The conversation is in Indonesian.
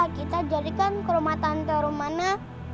bapak kita jadikan kerumah tante rumana